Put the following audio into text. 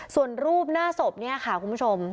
ส่วนรูปหน้าศพเนี่ยค่ะคุณผู้ชม